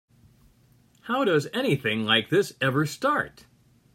How does anything like this ever start?